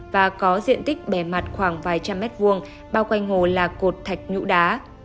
và có diện tích bề mặt khoảng vài trăm mét vuông bao quanh hồ là cột thạch nhũ đá